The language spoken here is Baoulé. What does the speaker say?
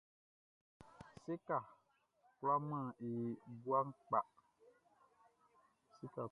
Séka kwla man e i gua kpa.